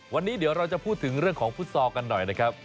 วันนี้เดี๋ยวเราจะพูดถึงเรื่องของฟุตซอลกันหน่อยนะครับ